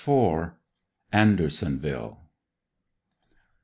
41 ANDERSONVILLE.